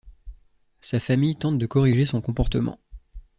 Sa famille tente de corriger son comportement.